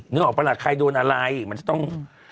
เนื้อออกประหลาดใครโดนอะไรมันจะต้อง